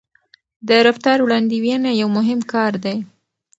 د رفتار وړاندوينه یو مهم کار دی.